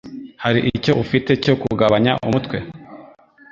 Hari icyo ufite cyo kugabanya umutwe?